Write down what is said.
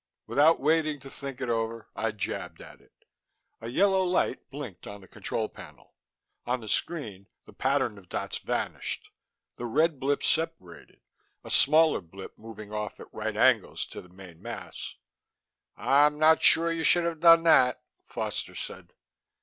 Without waiting to think it over, I jabbed at it. A yellow light blinked on the control panel. On the screen, the pattern of dots vanished. The red blip separated, a smaller blip moving off at right angles to the main mass. "I'm not sure you should have done that," Foster said.